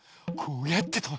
こうやってと。